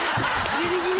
ギリギリ。